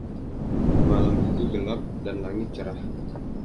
Malam itu gelap, dan langit, cerah.